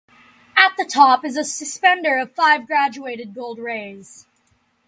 At the top is a suspender of five graduated gold rays.